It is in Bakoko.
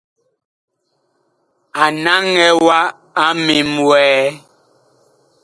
A naŋɛ wa a ŋmim wɛɛ.